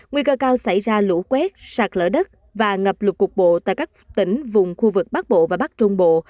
nguy cơ cao xảy ra lũ quét sạt lỡ đất và ngập lụt cục bộ tại các tỉnh vùng khu vực bắc bộ và bắc trung bộ